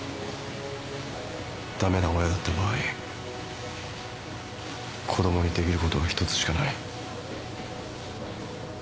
駄目な親だった場合子供にできることは一つしかない。